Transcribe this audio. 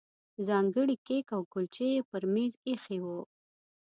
ځانګړي کیک او کولچې یې پر مېز ایښي وو.